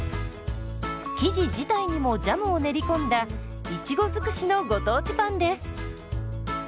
生地自体にもジャムを練り込んだいちご尽くしのご当地パンです。